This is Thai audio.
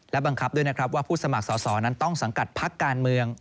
และบังคับด้วยนะครับว่าผู้สมัครสอสอนั้นต้องสังกัดพักการเมือง